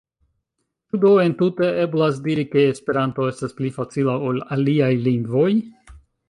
Ĉu do entute eblas diri, ke Esperanto estas pli facila ol aliaj lingvoj?